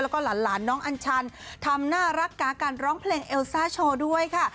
แล้วก็หลานน้องอัญชันทำน่ารักกาการร้องเพลงเอลซ่าโชว์ด้วยค่ะ